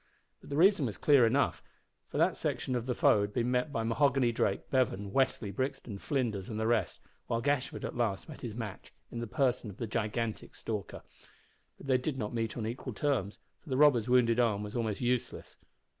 But the reason was clear enough, for that section of the foe had been met by Mahoghany Drake, Bevan, Westly, Brixton, Flinders, and the rest, while Gashford at last met his match, in the person of the gigantic Stalker. But they did not meet on equal terms, for the robber's wounded arm was almost useless.